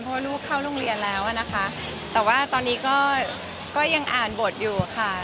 เพราะว่าลูกเข้าโรงเรียนแล้วนะคะแต่ว่าตอนนี้ก็ยังอ่านบทอยู่ค่ะ